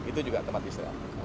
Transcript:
itu juga tempat istirahat